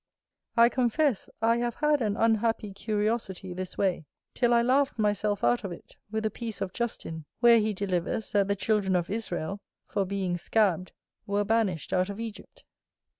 I confess, I have had an unhappy curiosity this way, till I laughed myself out of it with a piece of Justin, where he delivers that the children of Israel, for being scabbed, were banished out of Egypt.